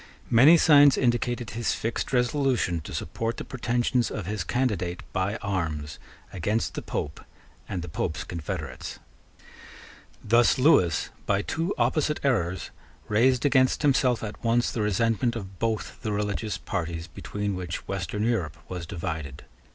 Many signs indicated his fixed resolution to support the pretensions of his candidate by arms against the Pope and the Pope's confederates. Thus Lewis, by two opposite errors, raised against himself at once the resentment of both the religious parties between which Western Europe was divided.